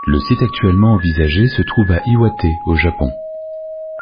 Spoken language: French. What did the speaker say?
Le site actuellement envisagé se trouve à Iwate au Japon.